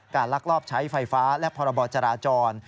ลักลอบใช้ไฟฟ้าและพรบจราจร